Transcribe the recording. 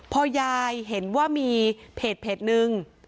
พอยายเห็นว่ามีเพจนึง